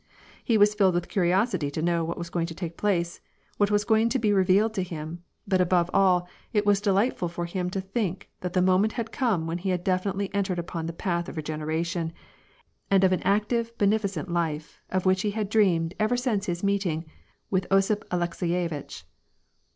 He was filled with curiosity to know what w^as going to take place, what was going to be re vealed to him; but, above all, it was delightful for him to think that the moment had come when he had definitely en tered upon the path of regeneration, and of an active, benefi cent life, of which he had dreamed ever since his meeting with Osip Alekseyevitch.